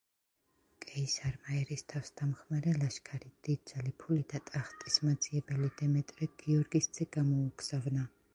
კეისარმა ერისთავს დამხმარე ლაშქარი, დიდძალი ფული და ტახტის მაძიებელი დემეტრე გიორგის ძე გამოუგზავნა.